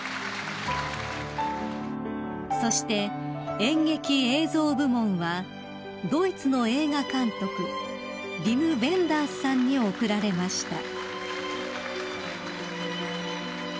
［そして演劇・映像部門はドイツの映画監督ヴィム・ヴェンダースさんに贈られました］